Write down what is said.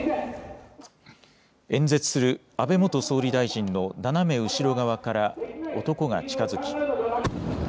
演説する安倍元総理大臣の斜め後ろ側から男が近づき。